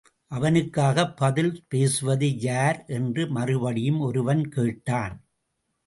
அவனுக்காகப் பதில் பேசுவது யார்? என்று மறுபடியும் ஒருவன் கேட்டான்.